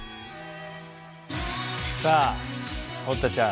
さあ堀田ちゃん